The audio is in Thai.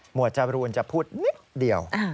จรูนจะพูดนิดเดียว